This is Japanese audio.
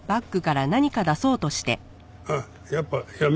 あっやっぱやめた。